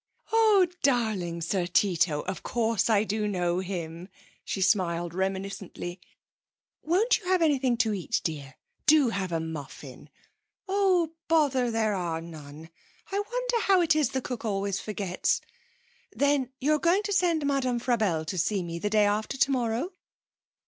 'Oh, darling Sir Tito! Of course I do know him!' She smiled reminiscently. 'Won't you have anything to eat, dear? Do have a muffin! Oh, bother, there are none. I wonder how it is cook always forgets? Then you're going to send Madame Frabelle to see me the day after tomorrow?'